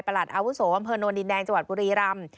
ประหลัดอาวุโสอำเภอนวลดินแดงจปุรีรัมพ์